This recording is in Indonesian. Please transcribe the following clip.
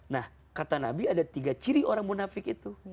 nah kata nabi ada tiga ciri orang munafik itu